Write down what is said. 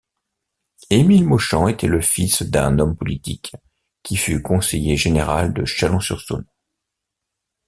Émile Mauchamp était le fils d'un homme politique, qui fut conseiller général de Chalon-sur-Saône.